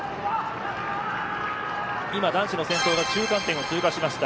今、男子の先頭が中間点を通過しました。